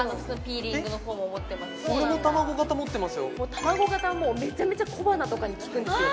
卵型めちゃめちゃ小鼻とかに効くんですよ